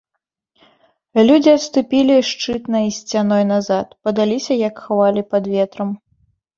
Людзі адступілі шчытнай сцяной назад, падаліся, як хвалі пад ветрам.